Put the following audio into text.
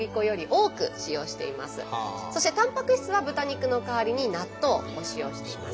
そしてたんぱく質は豚肉の代わりに納豆を使用しています。